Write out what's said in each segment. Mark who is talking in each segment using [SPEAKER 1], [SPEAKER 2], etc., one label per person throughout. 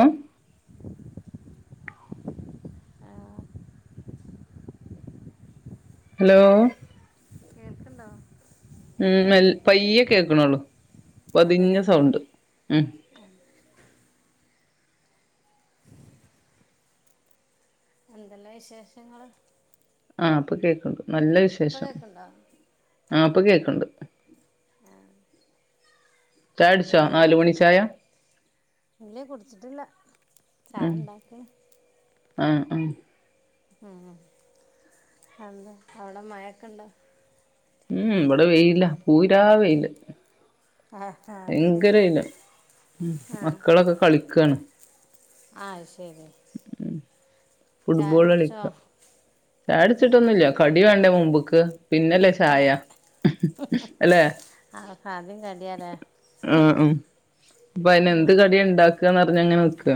[SPEAKER 1] ഏഹ്
[SPEAKER 2] [inaudible] ആഹ്
[SPEAKER 1] hello
[SPEAKER 2] കേൾക്കുണ്ടോ
[SPEAKER 1] ഉം മെൽ പയ്യെ കേക്കണൊള്ളു
[SPEAKER 2] അതെ
[SPEAKER 1] പതിഞ്ഞ സൗണ്ട്
[SPEAKER 2] എന്തെല്ലാം വിശേഷങ്ങള്
[SPEAKER 1] ആ ഇപ്പ കേക്കുണ്ട് നല്ല
[SPEAKER 2] ഇപ്പ
[SPEAKER 1] വിശേഷം
[SPEAKER 2] കേക്ക്ണ്ടോ
[SPEAKER 1] ആ ഇപ്പ കേക്കുണ്ട്
[SPEAKER 2] ആഹ്
[SPEAKER 1] ചായുടിച്ചോ നാലു മണി ചായ
[SPEAKER 2] ഇല്ലാ കുടിച്ചിട്ടില്ല ചായ ഇണ്ടാക്കാന്
[SPEAKER 1] ആഹ ആഹ
[SPEAKER 2] ഉം എന്താ അവടെ മഴയൊക്കെണ്ടോ
[SPEAKER 1] ഉം ഇവടെ വെയിലാ പൂരാ വെയില്
[SPEAKER 2] ആഹ് അത്
[SPEAKER 1] പയങ്കര
[SPEAKER 2] ശരി
[SPEAKER 1] വെയിലാ
[SPEAKER 2] ആഹ്
[SPEAKER 1] മക്കളൊക്കെ കളിക്കാണ്
[SPEAKER 2] ആ ശെരി
[SPEAKER 1] ഫുട്ബോള് കളിക്കാ ചായടിച്ചിട്ടൊന്നൂല്ല കടി വേണ്ടേ മുമ്പുക്ക് പിന്നല്ലേചായ
[SPEAKER 2] ആഹ് ആദ്യം കടിയാലെ
[SPEAKER 1] ആ ഉം അപ്പൊ അയിനെന്ത് കടിയായിണ്ടാക്കാന്നറിഞ്ഞാങ്ങനെ വെക്കാ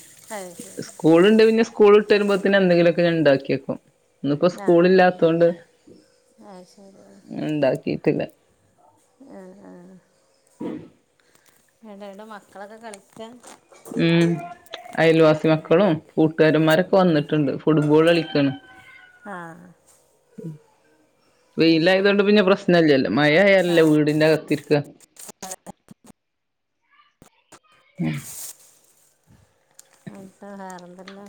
[SPEAKER 2] [unintelligible]
[SPEAKER 1] കൂളുണ്ട് പിന്നെ സ്കൂൾ വിട്ടുവെരുമ്പോത്തെന് എന്തെങ്കിലൊക്കെ ഞാനിണ്ടാക്കി വെക്കും ഇന്നിപ്പോ
[SPEAKER 2] ആഹ്
[SPEAKER 1] സ്കൂളില്ലാതൊണ്ട്
[SPEAKER 2] അത് ശരി
[SPEAKER 1] ഇണ്ടാക്കിട്ടില്ല
[SPEAKER 2] ആഹ് ആഹ് വേണ്ടടോ മക്കളൊക്കെ കളിക്കാ
[SPEAKER 1] ഉം അയൽവാസി മക്കളും കൂട്ടുകാരന്മാരൊക്കെ വന്നിട്ടൊണ്ട് ഫുട്ബോൾ കളിക്കാണ്
[SPEAKER 2] ആഹ് അത് ശരി
[SPEAKER 1] വെയിലാതയതൊണ്ട് പിന്നെ പ്രശ്നവില്ല്യല്ലോ മഴ
[SPEAKER 2] ആ
[SPEAKER 1] ആയാലല്ലേ വീടിന്റകത്തിരിക്കാ- [unintelligible]
[SPEAKER 2] എന്താ വേറെന്തല്ലാ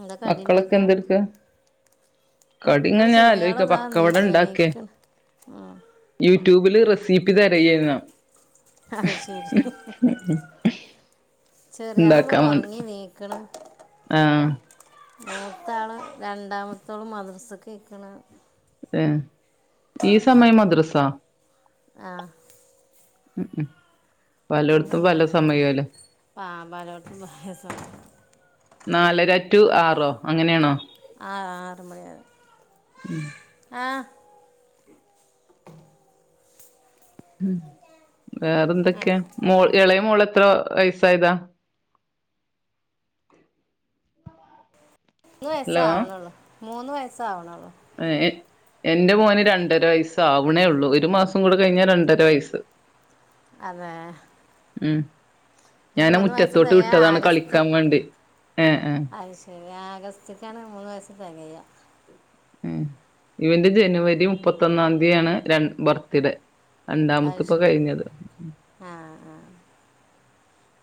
[SPEAKER 2] ഇന്താ കടി
[SPEAKER 1] മക്കളൊക്കെ
[SPEAKER 2] ഇണ്ടാക്കാ
[SPEAKER 1] എന്തെടുക്ക കടി
[SPEAKER 2] മക്കള്
[SPEAKER 1] ഇങ്ങനെ ഞാൻ ആലോചിക്ക
[SPEAKER 2] ചെറിയാളതാ നീ
[SPEAKER 1] പക്കവട ഉണ്ടാക്കേ
[SPEAKER 2] എണീക്കണ്
[SPEAKER 1] യൂട്യൂബില് റെസീപ്പി തെരയാരുന്നോ
[SPEAKER 2] ആഹ് ശെരി ശെരി ചെറിയാളിതാ
[SPEAKER 1] ഉണ്ടാക്കാൻ വേണ്ടി
[SPEAKER 2] ഒറങ്ങി എണീക്കണം
[SPEAKER 1] ആഹ്
[SPEAKER 2] മൂത്ത ആള് രണ്ടാമത്തോള് മദ്രസ കേക്കണ്
[SPEAKER 1] ഈ സമയം മദ്രസാ
[SPEAKER 2] ആഹ്
[SPEAKER 1] ഉം ഉം
[SPEAKER 2] ന്നങ്ങനെ പാ പലോട്ത്തും [unintelligible]
[SPEAKER 1] നാലര ടു ആറോ അങ്ങനെണോ
[SPEAKER 2] ആ ആറ് മാണിവരേ
[SPEAKER 1] ഉം
[SPEAKER 2] ആഹ് ആഹ്
[SPEAKER 1] വേറെന്തൊക്യാ മോ എളയ മോളെത്ര വയസായതാ
[SPEAKER 2] ന്ന്
[SPEAKER 1] ഹലോ
[SPEAKER 2] വയസ്സാവ്ണൊള്ളൂ മൂന്ന് വയസ്സാവ്ണൊള്ളൂ
[SPEAKER 1] എഹ് എന്റെ മോന് രണ്ടര വയ്സ്സാവ്ണേ ള്ളൂ ഒരു മാസം കൂടി കയ്ഞ്ഞാ രണ്ടര വയ്സ്സ്
[SPEAKER 2] അതെ
[SPEAKER 1] ഉം
[SPEAKER 2] എൻ്റെ
[SPEAKER 1] ഞന്
[SPEAKER 2] മൂന്ന് വയസ്സ്
[SPEAKER 1] മുറ്റത്തോട്ട്
[SPEAKER 2] തികയാ
[SPEAKER 1] വിട്ടതാണ്
[SPEAKER 2] ആഗസ്റ്റ്
[SPEAKER 1] കളിക്കാ വേണ്ടി ഏഹ് ഏഹ്
[SPEAKER 2] അത് ആഗസ്റ്റ്ക്കാണ് മൂന്ന് വയസ്സ് തെകയാ
[SPEAKER 1] ഇവന്റെ ജനുവരി മുപ്പത്തൊന്നാന്തിയാണ് രൺ ബർത്തിഡേ
[SPEAKER 2] അയ് ശെരി ആഹ് ആ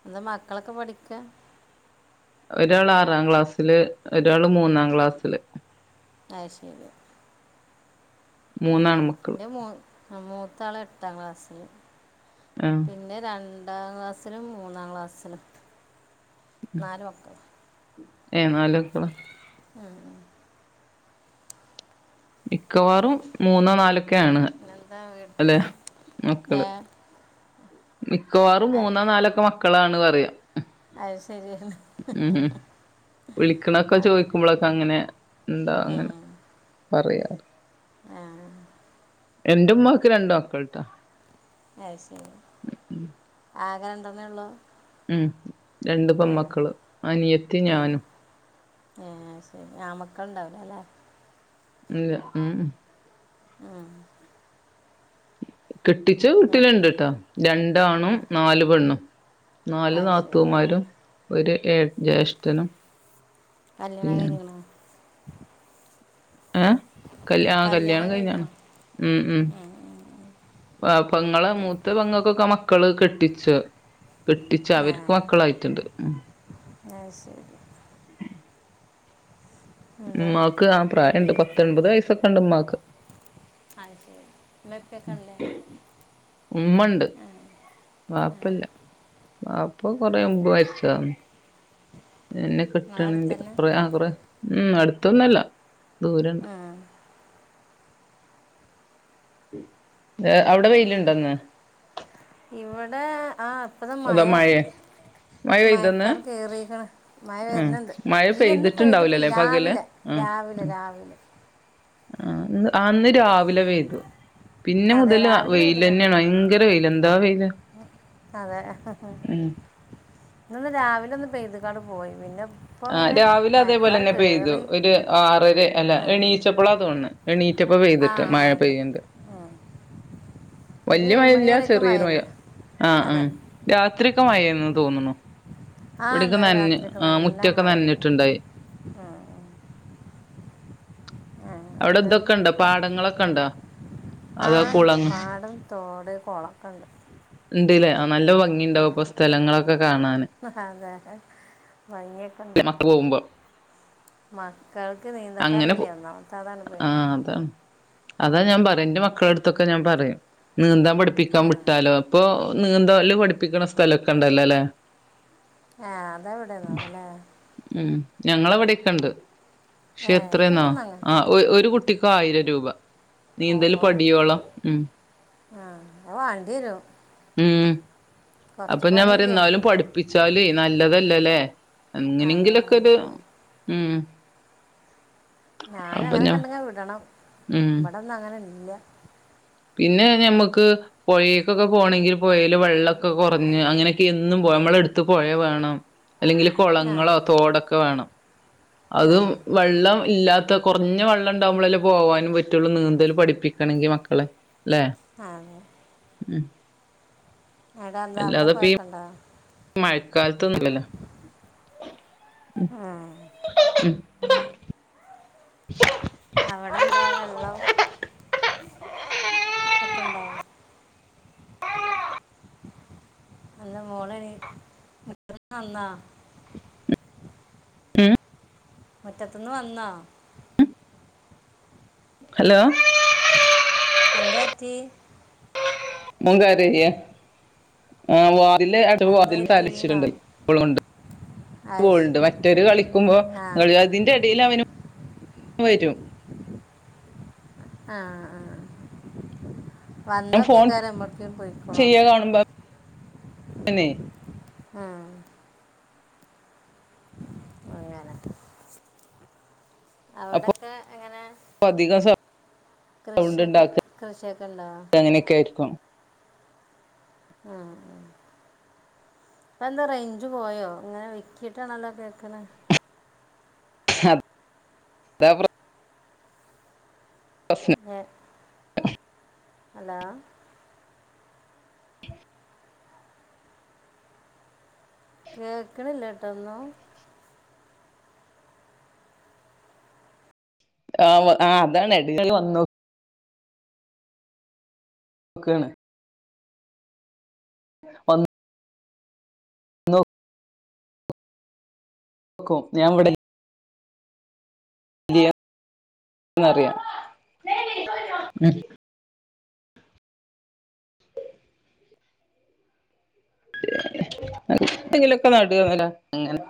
[SPEAKER 2] ന്താ മക്കളൊക്കെ പഠിക്ക
[SPEAKER 1] ഒരാളാറാം ക്ലാസ്സില് ഒരാള് മൂന്നാം ക്ലാസ്സില്
[SPEAKER 2] അയ് ശരി ഉം
[SPEAKER 1] മൂന്നാണ് മക്കള്
[SPEAKER 2] ന്റെ മൂ മൂത്താളെട്ടാം ക്ലാസ്സില്
[SPEAKER 1] ആഹ്
[SPEAKER 2] പിന്നെ രണ്ടാം ക്ലാസിലും മൂന്നാം ക്ലാസ്സിലും നാല് മക്കൾ
[SPEAKER 1] ഏഹ് നാല് മക്കളാ
[SPEAKER 2] ഉ
[SPEAKER 1] മിക്കവാറും മൂന്നോ നാലൊക്കെണ്
[SPEAKER 2] പിന്നെന്താ വീട്ടിൽ
[SPEAKER 1] അല്ലെ മക്കള്
[SPEAKER 2] ഏ
[SPEAKER 1] മിക്കവാറും
[SPEAKER 2] അ-
[SPEAKER 1] മൂന്നോ നാലൊക്ക മക്കളാണ് പറയും
[SPEAKER 2] അത് ശരിയാണ്
[SPEAKER 1] ഉഉം വിളിക്കണൊക്കെ
[SPEAKER 2] ആ,
[SPEAKER 1] ചോയ്ക് ക്കുമ്പളൊക്കങ്ങനെ ന്താ അങ്ങനെ പറയാ
[SPEAKER 2] ആഹ്
[SPEAKER 1] എന്റുമ്മാക്ക് രണ്ട് മക്കൾട്ടോ
[SPEAKER 2] അയ് ശരി ആക രണ്ടെണ്ണേ ഒള്ളൂ
[SPEAKER 1] ഉം രണ്ട് പെമ്മക്കള് അനിയത്തി
[SPEAKER 2] ഉം,
[SPEAKER 1] ഞാനും
[SPEAKER 2] ഏ ശെരി ആമക്കള് ണ്ടാവുലലേ
[SPEAKER 1] ഇല്ല ഊ ഊ
[SPEAKER 2] ഉം
[SPEAKER 1] കെട്ടിച്ച
[SPEAKER 2] ഏ,
[SPEAKER 1] വീട്ടില് ണ്ട്ട്ടാ രണ്ടാണും നാല് പെണ്ണും നാല്
[SPEAKER 2] അത് ശരി അ-
[SPEAKER 1] നാത്തൂമാരും ഒരു ഏ ജേഷ്ഠനും
[SPEAKER 2] കല്യാണം കയ്ഞ്ക്ക്ണ
[SPEAKER 1] ഏ കൽ ആ കല്യാണം കയ്ഞ്ഞാണ് ഉം ഉം വാ പൊങ്ങളെ
[SPEAKER 2] ഏ,
[SPEAKER 1] മൂത്ത പെങ്ങക്കൊക്കെ മക്കള് കെട്ടിച്ചു കെട്ടിച്ചവര്ക്ക് മക്കളായി ട്ടിണ്ട് ഉം
[SPEAKER 2] ഒ ശരി
[SPEAKER 1] [inaudible]
[SPEAKER 2] എന്താ
[SPEAKER 1] മ്മാക്ക് ആ പ്രായണ്ട്
[SPEAKER 2] വീ-
[SPEAKER 1] പത്തൊൻപത് വയസ്സൊക്കണ്ട് മ്മാക്ക്
[SPEAKER 2] അയ് ശരി മ്മേപ്പേക്കല്ലേ
[SPEAKER 1] മ്മണ്ട് വാപ്പല്ല, വാപ്പ കൊറേ മുമ്പ് മരിച്ചതാണ് എന്നെ
[SPEAKER 2] നിങ്ങളെ അടുത്ത്
[SPEAKER 1] കെട്ട്ണീന്റെ
[SPEAKER 2] തന്നെ
[SPEAKER 1] കൊറേ ആ കൊറേ ഉം അട്ത്തൊന്നല്ല ദൂരണ്ട്
[SPEAKER 2] ആ
[SPEAKER 1] ഹ് വെ അവ്ടെ വെയിലുണ്ടോ ന്ന്
[SPEAKER 2] ഇവടെ ആ
[SPEAKER 1] അതാ
[SPEAKER 2] പ്പതമയ
[SPEAKER 1] മഴേ മഴ പെയ്തോന്ന്
[SPEAKER 2] മയക്കാറ് കേറീക്കണ് മയ
[SPEAKER 1] ഉം
[SPEAKER 2] വര്ണ്ണ്ട്
[SPEAKER 1] മഴ
[SPEAKER 2] ഇല്ല്യ ന്ന് പെയ്ത്ട്ടില്ല
[SPEAKER 1] പെയ്തിട്ടുണ്ടാവൂലല്ലേ പകല്
[SPEAKER 2] രാവിലെ
[SPEAKER 1] ഉം
[SPEAKER 2] രാവിലെ,
[SPEAKER 1] ഉം
[SPEAKER 2] രാവിലെ
[SPEAKER 1] ആഹ് ഇന്ന് രാവിലെ പെയ്തു പിന്നെ
[SPEAKER 2] അതെ
[SPEAKER 1] മുതല്
[SPEAKER 2] രാവിലെ
[SPEAKER 1] വെയ്ൽ
[SPEAKER 2] പെയ്ത് കണ്ട്
[SPEAKER 1] തന്നെയണോ
[SPEAKER 2] പോയി
[SPEAKER 1] ഭയങ്കര വെയ്ൽ എന്താ വെയില്
[SPEAKER 2] അതെ
[SPEAKER 1] ഉം
[SPEAKER 2] ഇന്ന രാവിലെ ഒന്ന് പെയ്തക്കാണ്ട് പോയി പിന്നെ ഇപ്പോൾ
[SPEAKER 1] ആഹ്
[SPEAKER 2] ഇങ്ങനെ
[SPEAKER 1] രാവിലെ അതേപോലെ
[SPEAKER 2] മഴക്കാർ
[SPEAKER 1] തന്നെ പെയ്തു
[SPEAKER 2] കയറി
[SPEAKER 1] ഒരു ആറര, അല്ല
[SPEAKER 2] ആ
[SPEAKER 1] എണീച്ചപ്പോള തോന്ന്ണ് എണീറ്റപ്പ
[SPEAKER 2] ആ
[SPEAKER 1] പെയ്തിട്ട് മഴ
[SPEAKER 2] അതെ
[SPEAKER 1] പെയ്യണ്ട്
[SPEAKER 2] ഉം. ഒരു
[SPEAKER 1] വലിയ
[SPEAKER 2] ഏഴുമണി
[SPEAKER 1] മഴയില്ല
[SPEAKER 2] വരെയൊക്കെ
[SPEAKER 1] ചെറിയൊരു മഴ
[SPEAKER 2] തന്നെ
[SPEAKER 1] ആഹ്
[SPEAKER 2] അതെ
[SPEAKER 1] ആഹ് രാത്രിക്കെ മഴേയ്ന് എന്ന് തോന്നുണ്
[SPEAKER 2] ആഹ് ഇന്നലെ രാത്രിയക്കെ നല്ല
[SPEAKER 1] മുറ്റൊക്കെ
[SPEAKER 2] മഴ
[SPEAKER 1] നനഞ്ഞിട്ടുണ്ടായി
[SPEAKER 2] ഉം ഉം.
[SPEAKER 1] അവിടെ
[SPEAKER 2] എന്ത്
[SPEAKER 1] ഇതൊക്കെ ഉണ്ടോ പാടങ്ങളൊക്കെ ഉണ്ടോ
[SPEAKER 2] ആഹ് ഉണ്ട് പാടം തോട് കൊളക്കുണ്ട്
[SPEAKER 1] ണ്ട്ലേ ആഹ് നല്ല ഭംഗി ഉണ്ടാവും ഇപ്പൊ സ്ഥലങ്ങളൊക്കെ കാണൻ
[SPEAKER 2] അതെ ഭയ
[SPEAKER 1] മക്കൾ പോവുമ്പോ
[SPEAKER 2] മക്കൾക്ക്
[SPEAKER 1] അങ്ങനെ
[SPEAKER 2] നീന്തക്കറില,
[SPEAKER 1] പോ
[SPEAKER 2] ഒന്നാമത്തെ അതാണ് പേടി
[SPEAKER 1] ആഹ് അതാണ് അതാ ഞാൻ പറയും, എന്റെ മക്കള അടുത്തൊക്കെ ഞാൻ പറയും നീന്താൻ പഠിപ്പിക്കാൻ
[SPEAKER 2] ആ
[SPEAKER 1] വിട്ടാലോ ഇപ്പോൾ നീന്ത ള്ളി പഠിപ്പിക്ക്ണ സ്ഥലൊക്കെ ഉണ്ടല്ലോ ലേ
[SPEAKER 2] ആഹ് അത അവിടെ തോന്നുലെ
[SPEAKER 1] ഉം ഞങ്ങളവിടെക്കെണ്ട്,
[SPEAKER 2] ഏ
[SPEAKER 1] പക്ഷെ
[SPEAKER 2] ഇവിടെ
[SPEAKER 1] എത്രെന്നോ
[SPEAKER 2] ഒന്നും
[SPEAKER 1] ആ
[SPEAKER 2] അങ്ങനത്തെ ഒന്നും
[SPEAKER 1] ഒര് ഒരു കുട്ടി ആയിരം രൂപ നീന്തൽ പടിയോളാം ഉം
[SPEAKER 2] ആഹ് അത് വാണ്ടിരും
[SPEAKER 1] ഉം അപ്പൊ ഞാൻ പറയാ എന്നാലും പഠിപ്പിച്ചാലെയ് നല്ലതല്ലലേ
[SPEAKER 2] അതെ
[SPEAKER 1] അങ്ങനെങ്കിലൊക്കെ
[SPEAKER 2] അത്
[SPEAKER 1] ഒരു
[SPEAKER 2] ശരി
[SPEAKER 1] ഉം
[SPEAKER 2] ഞാന
[SPEAKER 1] അപ്പൊ ഞാൻ
[SPEAKER 2] അങ്ങനെക്കണ്ടെങ്ങിൽ വിടണം
[SPEAKER 1] ഉം
[SPEAKER 2] ഇവിടന്നും അങ്ങനെ ഇല്ല
[SPEAKER 1] പിന്നെ ഞമ്മുക്ക് പുഴക്കൊക്കെ പോണങ്കിൽ പുഴൽ വെള്ളമൊക്കെ കുറഞ്ഞ് അങ്ങനെയൊക്കെ എന്നും പോ നമ്മള എടുത്ത് പുഴ വേണം അല്ലെങ്കില്
[SPEAKER 2] ആ
[SPEAKER 1] കൊളങ്ങളോ തോടൊക്കെ വേണം,
[SPEAKER 2] ആ
[SPEAKER 1] അതും വെള്ളം ഇല്ലാത്ത കൊറഞ്ഞ വെള്ളംണ്ടാവുമ്പോളല്ലേ പോവാനും പറ്റുള്ളൂ നീന്തല് പഠിപ്പിക്കണങ്കി മക്കളെ. ല്ലേ,
[SPEAKER 2] ആ അതെ
[SPEAKER 1] ഉം.
[SPEAKER 2] എടാ ന്താ അവടെ കൊയപ്പണ്ടോ?
[SPEAKER 1] മഴക്കാലത്തൊന്നുല്ലല്ലോ. [unintelligible]
[SPEAKER 2] അവടെ ന്താ വെള്ളം ഒക്കെണ്ടാവോ? അല്ല മോളെ [unintelligible]
[SPEAKER 1] ഉം
[SPEAKER 2] മറ്റത്തുന്ന് വന്നോ?
[SPEAKER 1] ഹലോ
[SPEAKER 2] എന്താ പറ്റീ?
[SPEAKER 1] മോൻ കരയാ. ആഹ് വാതില്
[SPEAKER 2] എന്താ പറ്റി വീണോ
[SPEAKER 1] [unintelligible] [unintelligible] ഇപ്പലുണ്ട്.
[SPEAKER 2] അത് ശ-
[SPEAKER 1] ണ്ട് മറ്റൊരു കളിക്കുമ്പോ
[SPEAKER 2] ആ
[SPEAKER 1] അതിന്റെ ഇടയില് അവന് വരും.
[SPEAKER 2] ആഹ് ആ ആ
[SPEAKER 1] ഞാൻ
[SPEAKER 2] വന്നൊ
[SPEAKER 1] ഫോൺ
[SPEAKER 2] കേക്കാരം ഇമ്മവ്ട്ക്കേലും പോയിക്കണോന്ന്.
[SPEAKER 1] ചെയ്യാ കാണുമ്പോ [unintelligible]
[SPEAKER 2] ആഹ്. അങ്ങനെ
[SPEAKER 1] അപ്പൊ
[SPEAKER 2] അവടൊക്കെ എങ്ങനെ?
[SPEAKER 1] അധികം സ
[SPEAKER 2] കൃഷിയൊക്കെ കൃഷിയൊക്കെ ണ്ടോ?
[SPEAKER 1] അങ്ങനൊക്കായിരിക്കും.
[SPEAKER 2] ആഹ് ആഹ്. പ്പൊ ന്താ റേയ്ഞ്ച് പോയോ ഇങ്ങനേ വിക്കീയിട്ടാണല്ലോ കേക്കണേ.
[SPEAKER 1] ഹബ് ദാപ്ര പ്രശ്നം
[SPEAKER 2] ഹേ ഹലോ. കേക്ക്‌ണില്ലട്ടൊന്നും.
[SPEAKER 1] ആ ഓ ആ അതാണ് ടിയൽ വന്നു. ഓക്കേണ്. പ നോ ക്കോ ഞാ ഇവടെൽ ഇല്ല ന്നറിയാം ഉം. എന്തെങ്കിലൊക്കേ നടുവോലാ അങ്ങനേ